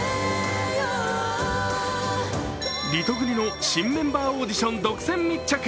リトグリの新メンバーオーディション独占密着。